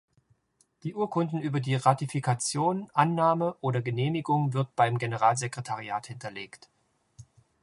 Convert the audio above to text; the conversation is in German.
Die Urkunden über die Ratifikation, Annahme oder Genehmigung wird beim Generalsekretariat hinterlegt.